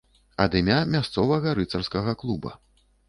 Ад імя мясцовага рыцарскага клуба.